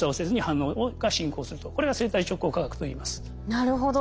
なるほど。